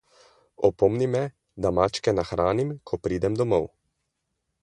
Opomni me, da mačke nahranim, ko pridem domov.